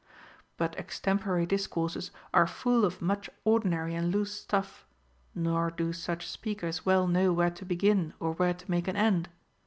But extemporary discourses are full of much ordinary and loose stuff, nor do such speakers Λνεΐΐ know where to begin or where to make an end.